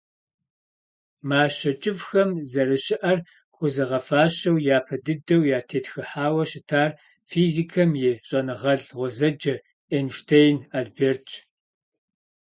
Мащэ кӀыфӀхэм, зэрыщыӀэр хуэзыгъэфащэу, япэ дыдэу ятетхыхьауэ щытар физикэм и щӀэныгъэлӀ гъуэзэджэ Эйнштейн Альбертщ.